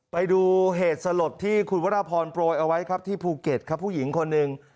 ไปดูเหตุสลดที่คุณวรพรโปรยเอาไว้ครับที่ภูเก็ตครับผู้หญิงคนหนึ่ง